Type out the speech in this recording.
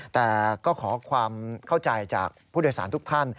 แต่ก็ขอความเข้าใจจากผู้โดยสารทุกท่าน